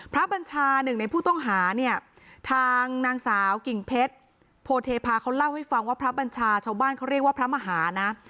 บัญชาหนึ่งในผู้ต้องหาเนี่ยทางนางสาวกิ่งเพชรโพเทพาเขาเล่าให้ฟังว่าพระบัญชาชาวบ้านเขาเรียกว่าพระมหานะ